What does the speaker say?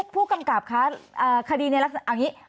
ผู้กำกับค่ะคดีในลักษณะอันนี้